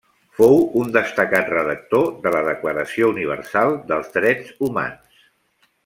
Fou un destacat redactor de la Declaració Universal dels Drets Humans.